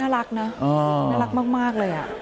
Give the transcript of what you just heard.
น่ารักนะน่ารักมากเลย